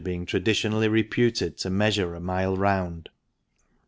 being traditionally reputed to measure a mile round.